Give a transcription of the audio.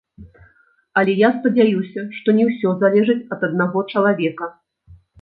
Але я спадзяюся, што не ўсё залежыць ад аднаго чалавека.